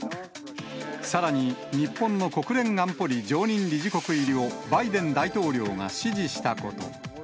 さらに、日本の国連安保理常任理事国入りをバイデン大統領が支持したこと。